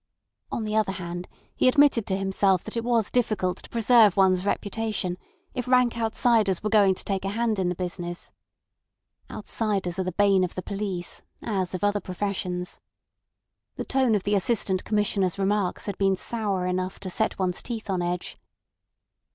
On the other hand, he admitted to himself that it was difficult to preserve one's reputation if rank outsiders were going to take a hand in the business. Outsiders are the bane of the police as of other professions. The tone of the Assistant Commissioner's remarks had been sour enough to set one's teeth on edge.